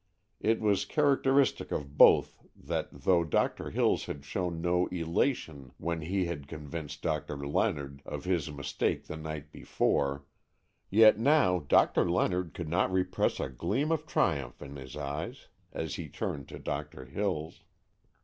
It was characteristic of both that though Doctor Hills had shown no elation when he had convinced Doctor Leonard of his mistake the night before, yet now Doctor Leonard could not repress a gleam of triumph in his eyes as he turned to Doctor Hills.